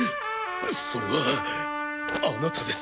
それはあなたです。